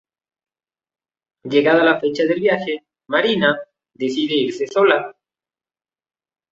Llegada la fecha del viaje, "Marina" decide irse sola.